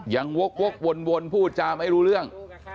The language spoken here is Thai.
วกวนพูดจาไม่รู้เรื่อง